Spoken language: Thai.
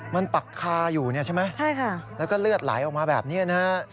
มันปักคาอยู่เนี่ยใช่ไหมใช่ค่ะแล้วก็เลือดไหลออกมาแบบนี้นะฮะ